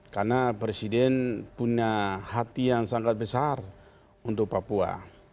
karena presiden punya hati yang sangat besar untuk papua